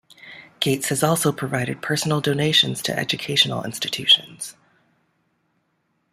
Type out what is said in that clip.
Gates has also provided personal donations to educational institutions.